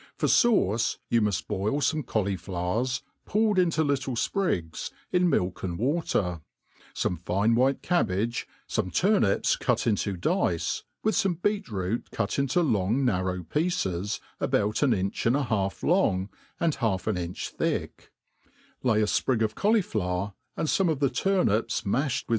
For fauce you muft boil fome cauliflowers, pulled into little fprigs, in milk and water, fome flne white cabbage^ fome turnips cut into dice, with fome beet root cut into long narrow pieces, about an inch and a half long, and half an inch thick: lay a fprig of cauliflower, and fome of the turnips itiafhed with.